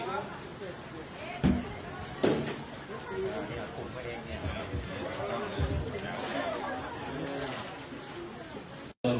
อ่ะเดิน